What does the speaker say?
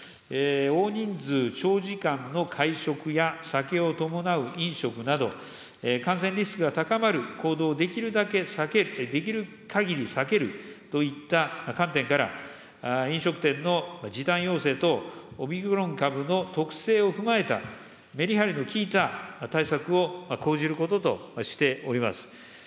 大人数、長時間の会食や、酒を伴う飲食など、感染リスクが高まる行動を、できるだけ、できるかぎり避けるといった観点から、飲食店の時短要請等、オミクロン株の特性を踏まえた、メリハリの効いた、対策を講じることとしております。